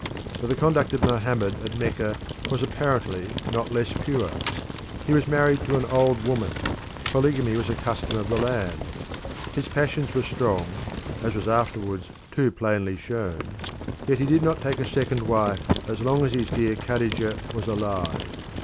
But the conduct of Mohammed at Mecca was apparently not less pure. He was married to an old woman; polygamy was a custom of the land; his passions were strong, as was afterwards too plainly shown; yet he did not take a second wife as long as his dear Khadijah was alive.